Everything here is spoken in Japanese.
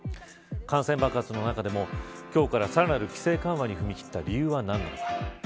感染爆発の中でも今日から、さらなる規制緩和に踏み切った理由は何なのか。